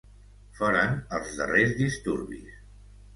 Foren els darrers disturbis.